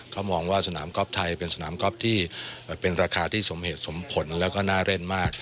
เขามองว่าสนามกอล์ไทยเป็นสนามกอล์ฟที่เป็นราคาที่สมเหตุสมผลแล้วก็น่าเล่นมาก